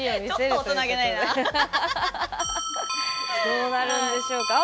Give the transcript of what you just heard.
どうなるんでしょうか？